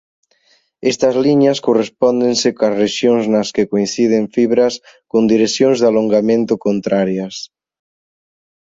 Estas liñas correspóndense coas rexións nas que coinciden fibras con direccións de alongamento contrarias.